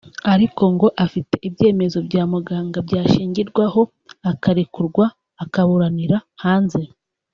ariko ngo afite ibyemezo bya Muganga byashingirwaho akarekurwa akaburanira hanze